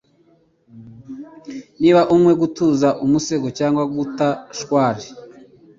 Niba umwe, gutuza umusego cyangwa guta shaweli,